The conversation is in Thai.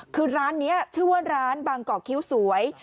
คือร้านนี้ชื่อว่าร้านบางกอกคิ้วสวย